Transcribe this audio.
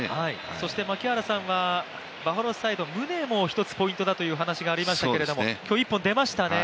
そして槙原さんはバファローズサイド、宗も一つポイントだというお話がありましたけれども今日１本出ましたね。